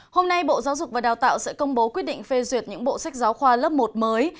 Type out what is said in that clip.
hôm nay bộ giáo dục và đào tạo sẽ công bố quyết định phê duyệt những bộ sách giáo khoa lớp một mới